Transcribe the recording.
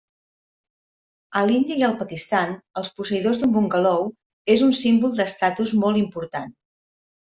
A l'Índia i el Pakistan, els posseïdors d'un bungalou és un símbol d'estatus molt important.